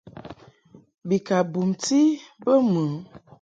Bi ka bumti bə mɨ ɛ ?